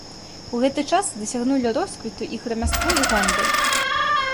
У гэты час дасягнулі росквіту іх рамяство і гандаль.